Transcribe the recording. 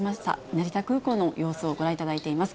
成田空港の様子をご覧いただいています。